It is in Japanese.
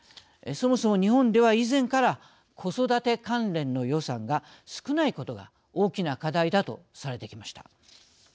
そもそも、日本では以前から子育て関連の予算が少ないことが大きな課題だとされてきました。